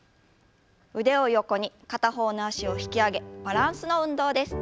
腕を横に片方の脚を引き上げバランスの運動です。